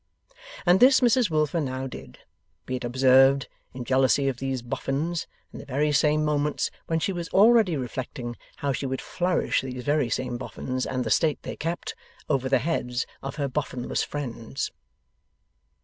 And this Mrs Wilfer now did, be it observed, in jealousy of these Boffins, in the very same moments when she was already reflecting how she would flourish these very same Boffins and the state they kept, over the heads of her Boffinless friends.